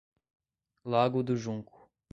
Lago do Junco